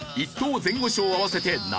・前後賞合わせて７億円。